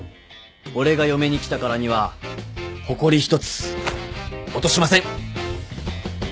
俺が嫁に来たからにはほこり一つ落としません。